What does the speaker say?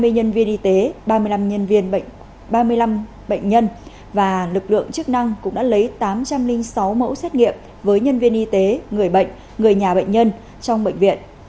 hai mươi nhân viên y tế ba mươi năm bệnh nhân và lực lượng chức năng cũng đã lấy tám trăm linh sáu mẫu xét nghiệm với nhân viên y tế người bệnh người nhà bệnh nhân trong bệnh viện